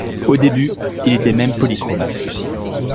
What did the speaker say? Au début, il était même polychrome.